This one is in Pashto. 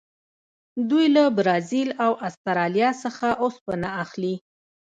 دوی له برازیل او اسټرالیا څخه اوسپنه اخلي.